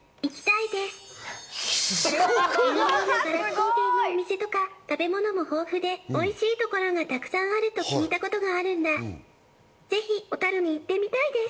いろいろなお店とか食べ物も豊富で、おいしいものがたくさんあると聞いたことがあるんで、ぜひ小樽に行ってみたいです！